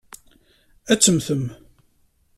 Ad temmtem?